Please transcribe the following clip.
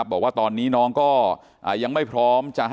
ที่โพสต์ก็คือเพื่อต้องการจะเตือนเพื่อนผู้หญิงในเฟซบุ๊คเท่านั้นค่ะ